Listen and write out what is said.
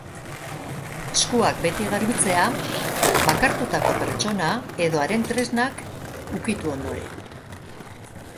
Eskuak beti garbitzea bakartutako pertsona edo haren tresnak ukitu ondoren.